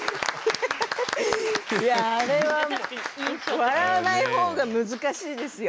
あれは笑わないほうが難しいですよ。